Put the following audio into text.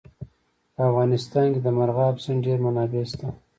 په افغانستان کې د مورغاب سیند ډېرې منابع شته.